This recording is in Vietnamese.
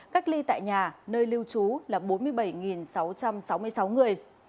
cách ly tại nhà nơi lưu trú là bốn mươi bảy sáu trăm sáu mươi sáu người